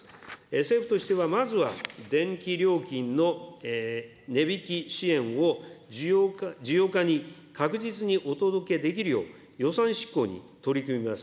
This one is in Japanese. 政府としては、まずは電気料金の値引き支援をじゅようかに確実にお届けできるよう予算執行に取り組みます。